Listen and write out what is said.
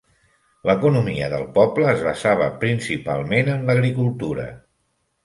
L'economia del poble es basava principalment en l'agricultura.